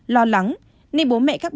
lo lắng nên bố mẹ các bé vô tình